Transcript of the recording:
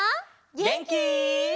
げんき？